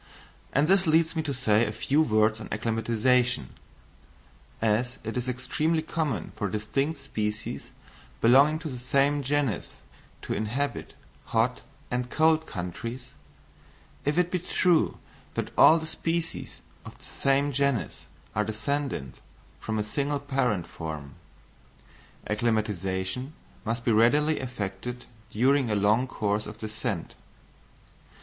and this leads me to say a few words on acclimatisation. As it is extremely common for distinct species belonging to the same genus to inhabit hot and cold countries, if it be true that all the species of the same genus are descended from a single parent form, acclimatisation must be readily effected during a long course of descent.